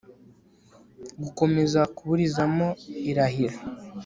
gukomeza kuburizamo irahira